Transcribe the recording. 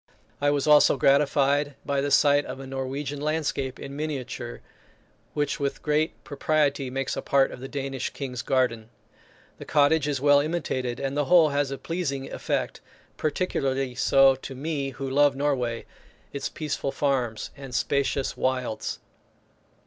I was also gratified by the sight of a Norwegian landscape in miniature, which with great propriety makes a part of the Danish King's garden. The cottage is well imitated, and the whole has a pleasing effect, particularly so to me who love Norway its peaceful farms and spacious wilds.